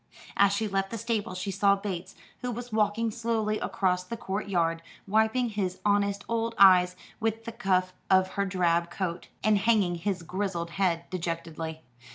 As she left the stable she saw Bates, who was walking slowly across the court yard, wiping his honest old eyes with the cuff of his drab coat, and hanging his grizzled head dejectedly.